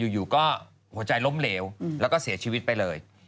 อยู่ก็หัวใจล้มเหลวแล้วก็เสียชีวิตไปเลย